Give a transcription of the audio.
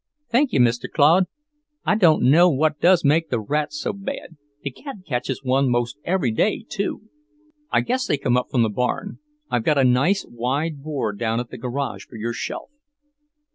"Thank you, Mr. Claude. I don't know what does make the rats so bad. The cats catches one most every day, too." "I guess they come up from the barn. I've got a nice wide board down at the garage for your shelf."